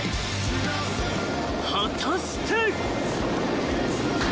［果たして］